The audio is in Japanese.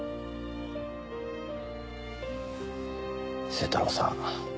清太郎さん。